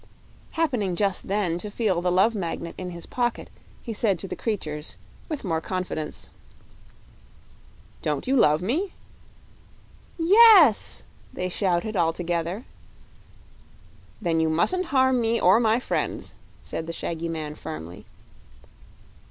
Happening just then to feel the Love Magnet in his pocket, he said to the creatures, with more confidence: "Don't you love me?" "Yes!" they shouted, all together. "Then you mustn't harm me, or my friends," said the shaggy man, firmly.